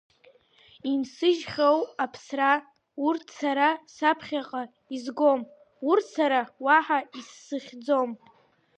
Инсыжьхьоу аԥсра, урҭ сара саԥхьаҟа изгом, урҭ сара уаҳа изсыхьӡом.